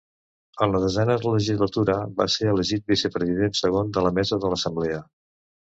En la desena legislatura va ser elegit vicepresident segon de la Mesa de l'Assemblea.